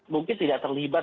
mungkin tidak terlibat